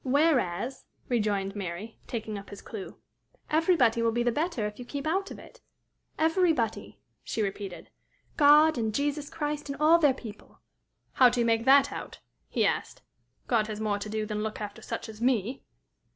"Whereas," rejoined Mary, taking up his clew, "everybody will be the better if you keep out of it everybody," she repeated, " God, and Jesus Christ, and all their people." "How do you make that out?" he asked. "God has more to do than look after such as me."